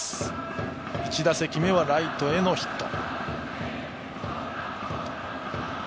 １打席目はライトへのヒット。